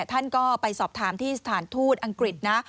ท่านก็ไปสอบถามที่สถานทูตอังกฤษนะ